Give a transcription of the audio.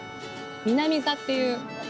南座っていう。